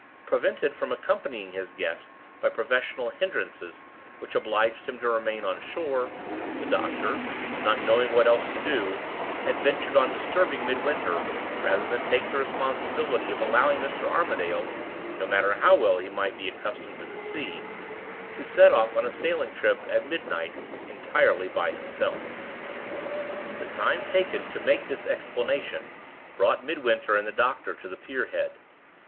Prevented from accompanying his guest by professional hindrances which obliged him to remain on shore, the doctor, not knowing what else to do, had ventured on disturbing Midwinter, rather than take the responsibility of allowing Mr. Armadale (no matter how well he might be accustomed to the sea) to set off on a sailing trip at midnight entirely by himself. The time taken to make this explanation brought Midwinter and the doctor to the pier head.